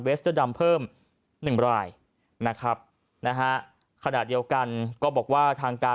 สเตอร์ดำเพิ่มหนึ่งรายนะครับนะฮะขณะเดียวกันก็บอกว่าทางการ